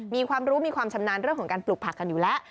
มีความรู้มีความชำนาญเรื่องของการปลูกผักกันอยู่แล้ว